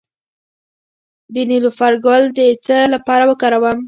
د نیلوفر ګل د څه لپاره وکاروم؟